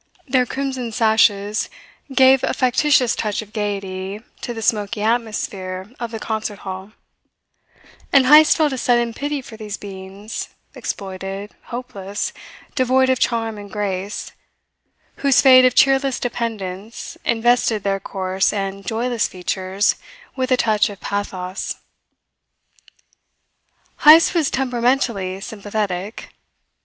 Their crimson sashes gave a factitious touch of gaiety to the smoky atmosphere of the concert hall; and Heyst felt a sudden pity for these beings, exploited, hopeless, devoid of charm and grace, whose fate of cheerless dependence invested their coarse and joyless features with a touch of pathos. Heyst was temperamentally sympathetic.